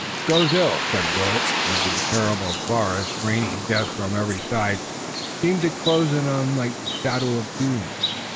"It goes ill," said Willet, as the terrible forest, raining death from every side, seemed to close in on them like the shadow of doom.